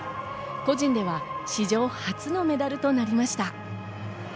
個人では史上初のメダルとなりました。